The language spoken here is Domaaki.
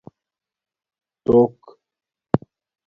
ٹݸک